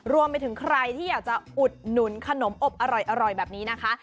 รวมไปถึงใครที่อยากจะอุดหนุนขนมอบอร่อยแบบนี้นะคะ